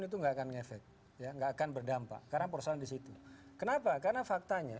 itu enggak akan ngefek ya enggak akan berdampak karena persoalan di situ kenapa karena faktanya